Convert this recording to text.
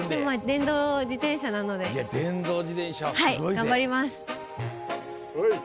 電動自転車なので頑張ります。